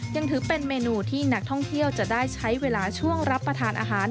ยังถือเป็นเมนูที่นักท่องเที่ยวจะได้ใช้เวลาช่วงรับประทานอาหาร